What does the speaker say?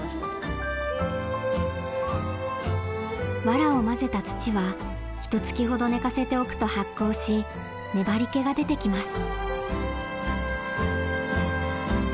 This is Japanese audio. ワラをまぜた土はひとつきほど寝かせておくと発酵し粘りけが出てきます。